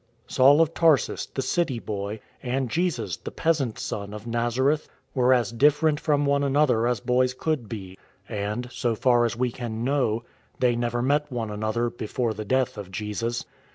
Saul of Tarsus, the city boy, and Jesus, the peasant's Son, of Nazareth, were as different from one another as boys could be. And, so far as we can know, they never met one another before the death of Jesus.